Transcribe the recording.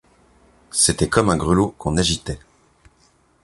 C’était comme un grelot qu’on agitait.